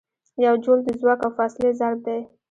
یو جول د ځواک او فاصلې ضرب دی.